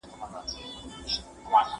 آیا مېله کول د وخت ضایع کول دي؟